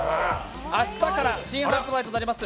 明日から新発売となります